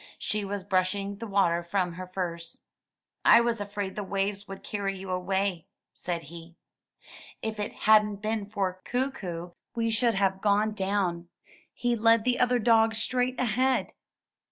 She was brushing the water from her furs. '1 was afraid the waves would carry you away," said he. ''If it hadn't been for Kookoo we should have gone down; he led the other dogs straight ahead.''